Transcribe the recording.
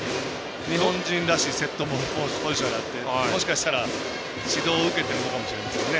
日本人らしいセットポジションになってもしかしたら、指導を受けてるのかもしれませんね